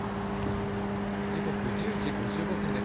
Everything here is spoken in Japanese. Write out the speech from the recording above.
時刻、１０時５５分です。